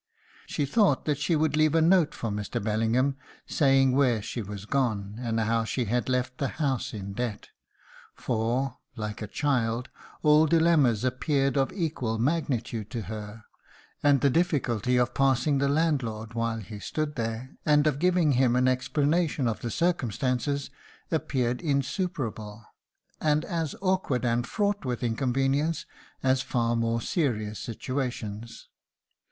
She thought that she would leave a note for Mr. Bellingham saying where she was gone, and how she had left the house in debt, for (like a child) all dilemmas appeared of equal magnitude to her; and the difficulty of passing the landlord while he stood there, and of giving him an explanation of the circumstances, appeared insuperable, and as awkward and fraught with inconvenience as far more serious situations.